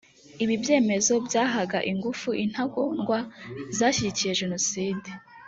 ibi byemezo byahaga ingufu intagondwa zashyigikiye jenoside